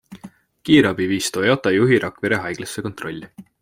Kiirabi viis Toyota juhi Rakvere haiglasse kontrolli.